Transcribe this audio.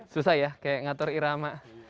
susah ya kayak ngatur irama